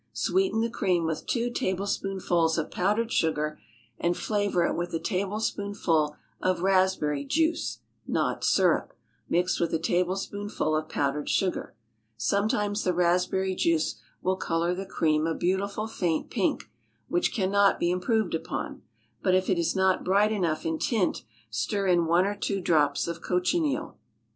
Sweeten the cream with two tablespoonfuls of powdered sugar, and flavor it with a tablespoonful of raspberry juice (not syrup) mixed with a tablespoonful of powdered sugar; sometimes the raspberry juice will color the cream a beautiful faint pink, which cannot be improved upon, but if it is not bright enough in tint stir in one or two drops of cochineal.